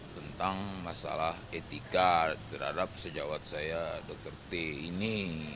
tentang masalah etika terhadap sejawat saya dr t ini